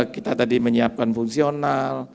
kita tadi menyiapkan fungsional